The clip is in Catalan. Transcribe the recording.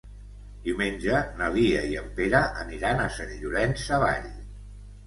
Diumenge na Lia i en Pere aniran a Sant Llorenç Savall.